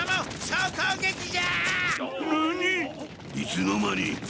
いつの間に？